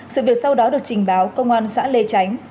sự việc sau đó được trình báo công an xã lê tránh